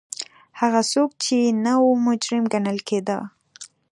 هغه څوک چې نه و مجرم ګڼل کېده.